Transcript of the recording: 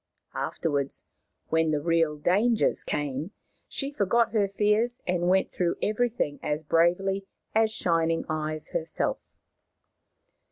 Afterwards, when the real dangers came, she forgot her fears and went through everything as bravely as Shining Eyes herself.